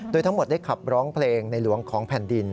โดยทั้งหมดได้ขับร้องเพลงในหลวงของแผ่นดิน